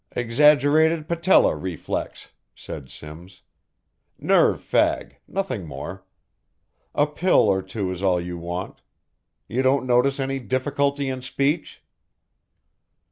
"Exaggerated patella reflex," said Simms. "Nerve fag, nothing more. A pill or two is all you want. You don't notice any difficulty in speech?"